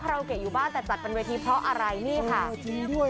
คาราโลเกตอยู่บ้านแต่จัดเป็นเวทีเพราะอะไรนี่ค่ะจริงด้วย